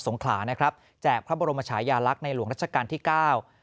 งขลานะครับแจกพระบรมชายาลักษณ์ในหลวงรัชกาลที่เก้า